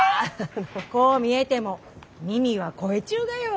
こう見えても耳は肥えちゅうがよ。